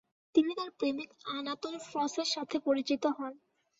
তিনি তার প্রেমিক আনাতোল ফ্রঁসের সাথে পরিচিত হন।